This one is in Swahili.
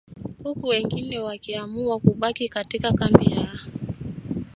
huku wengine wakiamua kubaki katika kambi ya